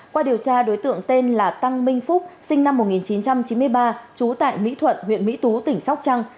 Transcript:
qua điều tra đối tượng tên là tăng minh phúc sinh năm một nghìn chín trăm chín mươi ba trú tại mỹ thuận huyện mỹ tú tỉnh sóc trăng